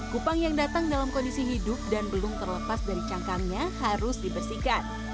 kupang yang datang dalam kondisi hidup dan belum terlepas dari cangkangnya harus dibersihkan